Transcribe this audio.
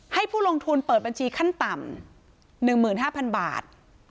ให้ผู้ลงทุนเปิดบัญชีขั้นต่ำ๑๕๐๐๐บาท